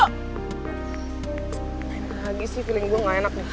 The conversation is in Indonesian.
bahagia sih feeling gue gak enak nih